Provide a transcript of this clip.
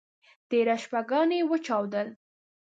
تېره شپه ګاڼي وچودل.